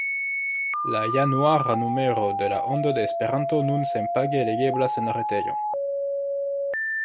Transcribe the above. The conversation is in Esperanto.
La januara numero de La Ondo de Esperanto nun senpage legeblas en la retejo.